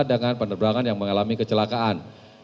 dengan penerbangan yang mengalami kecelakaan